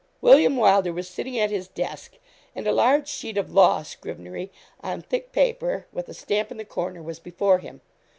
William Wylder was sitting at his desk, and a large sheet of law scrivenery, on thick paper, with a stamp in the corner, was before him.